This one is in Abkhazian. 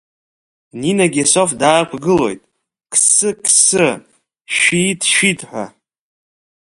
Нинагьы асоф даақәгылоит, қсы, қсы, шәит, шәит ҳәа.